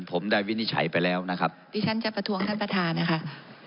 ผมได้วินิจฉัยไปแล้วนะครับดิฉันจะประท้วงท่านประธานนะคะ